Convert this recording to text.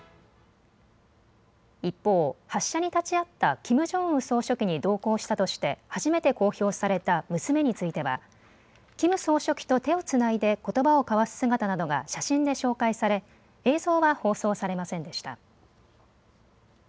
一方、発射に立ち会ったキム・ジョンウン総書記に同行したとして、初めて公表された娘については、キム総書記と手をつないでことばを交わす姿などが写真で紹介され、映像は放送されませんでした。